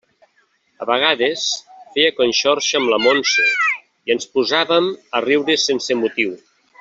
A vegades feia conxorxa amb la Montse i ens posàvem a riure sense motiu.